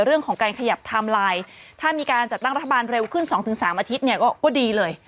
เรื่องของการขยับไทม์ไลน์ถ้ามีการจัดตั้งรัฐบาลเร็วขึ้น๒๓อาทิตย์เนี่ยก็ดีเลย